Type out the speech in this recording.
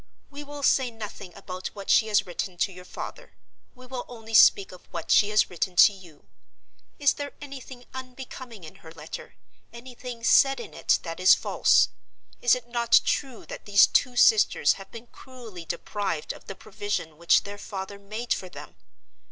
"We will say nothing about what she has written to your father; we will only speak of what she has written to you. Is there anything unbecoming in her letter, anything said in it that is false? Is it not true that these two sisters have been cruelly deprived of the provision which their father made for them?